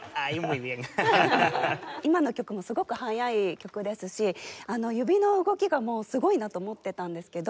今の曲もすごく速い曲ですし指の動きがもうすごいなと思ってたんですけど。